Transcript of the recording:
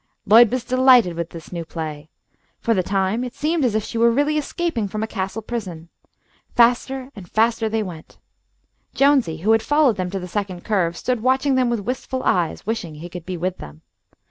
Lloyd was delighted with this new play. For the time it seemed as if she really were escaping from a castle prison. Faster and faster they went. Jonesy, who had followed them to the second curve, stood watching them with wistful eyes, wishing he could be with them.